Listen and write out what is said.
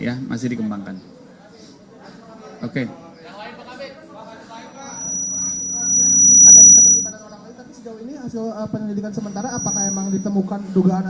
apakah emang ditemukan dugaan adanya atau dipatuhkan